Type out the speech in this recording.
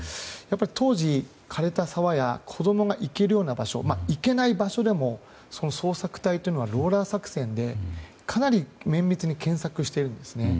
当時、枯れた沢や子供が行けるような場所行けない場所でも捜索隊というのはローラー作戦でかなり綿密に検索しているんですね。